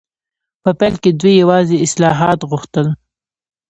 په پیل کې دوی یوازې اصلاحات غوښتل.